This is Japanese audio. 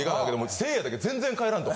せいやだけ全然帰らんと。